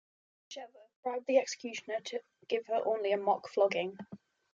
Bestuzheva bribed the executioner to give her only a mock flogging.